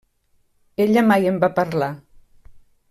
Ella mai en va parlar.